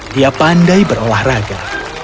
dia pandai berolahraga